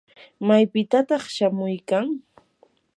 ¿maypitataq shamuykan?